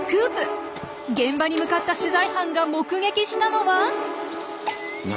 現場に向かった取材班が目撃したのは！